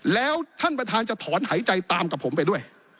แล้วท่านประธานจะถอนหายใจตามกับผมไปด้วย